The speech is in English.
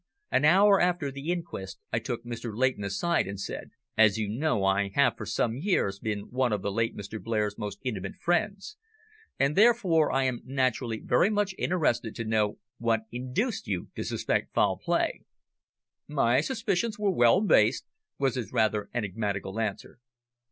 An hour after the inquest I took Mr. Leighton aside and said "As you know, I have for some years been one of the late Mr. Blair's most intimate friends, and, therefore, I am naturally very much interested to know what induced you to suspect foul play." "My suspicions were well based," was his rather enigmatical answer.